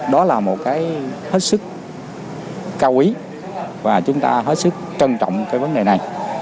đó là một cái hết sức cao quý và chúng ta hết sức trân trọng cái vấn đề này